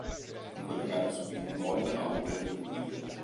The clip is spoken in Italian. In quella gara subì un gol a opera di Nilo.